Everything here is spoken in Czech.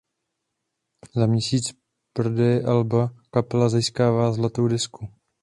Za měsíc prodeje alba kapela získává „zlatou desku“.